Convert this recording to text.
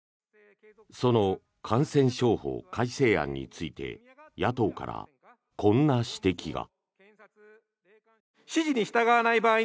その感染症法改正案について野党からこんな指摘が。